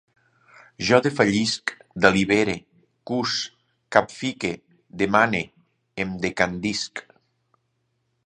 Jo defallisc, delibere, cus, capfique, demane, em decandisc